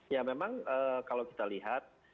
ya memang kalau kita lihat